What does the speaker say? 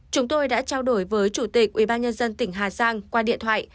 chúng tôi đã trao đổi với chủ tịch ubnd tỉnh hà giang qua điện thoại